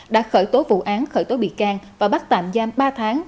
đã khởi tố vụ án khởi tố bị can và bắt tạm giam ba tháng